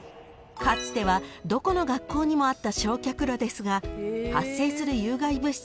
［かつてはどこの学校にもあった焼却炉ですが発生する］